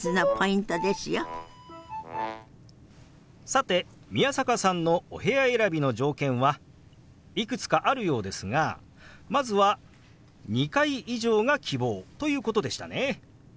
さて宮坂さんのお部屋選びの条件はいくつかあるようですがまずは２階以上が希望ということでしたね。